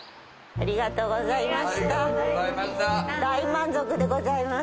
ありがとうございます。